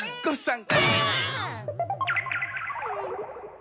ん？